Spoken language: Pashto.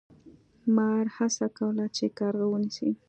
مار هڅه کوله چې کارغه ونیسي.